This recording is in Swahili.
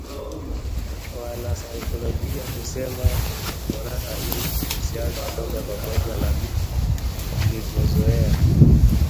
Wanasaikolojia husema, furaha ina uhusiano wa moja kwa moja na vitu tulivyozoea